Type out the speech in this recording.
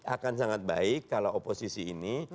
akan sangat baik kalau oposisi ini